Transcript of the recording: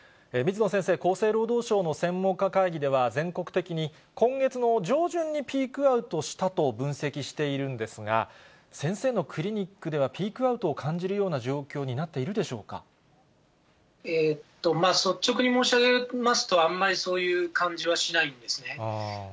水野先生、厚生労働省の専門家会議では、全国的に今月の上旬にピークアウトしたと分析しているんですが、先生のクリニックではピークアウトを感じるような状況になってい率直に申し上げますと、あんまりそういう感じはしないですね。